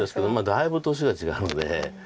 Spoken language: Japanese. だいぶ年が違うので。